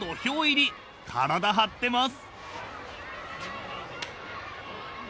［体張ってます］